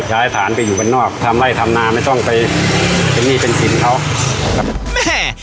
ย้ายฐานไปอยู่บ้านนอกทำไร่ทำนาไม่ต้องไปเป็นหนี้เป็นสินเขาครับแม่